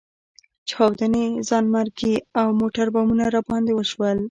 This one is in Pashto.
چاودنې، ځانمرګي او موټربمونه راباندې وشول.